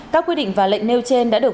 các quyết định và lệnh nêu trên đã được